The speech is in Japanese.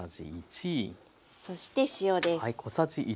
そして塩です。